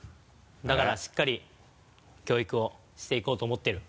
だからしっかり教育をしていこうと思ってる。